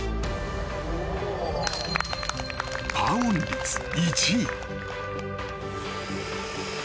パーオン率１位。